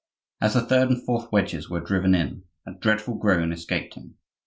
As the third and fourth wedges were driven in, a dreadful groan escaped him.